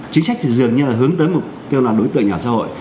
chính sách thì dường như là hướng tới mục tiêu là đối tượng nhà xã hội